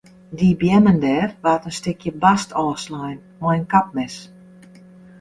Dy beammen dêr waard in stikje bast ôfslein mei in kapmes.